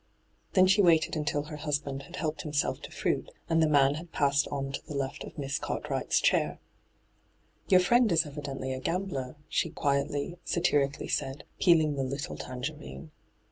Then she waited until her husband had helped himself to fruit, and the man had passed on to the left of Miss Cartwright's chair. ' Your friend is evidently a gambler,' she 11 ^ nyt,, 6^hyG00glc 1 62 ENTRAPPED quietly, BatirioaUy said, peeling the little Tangerine.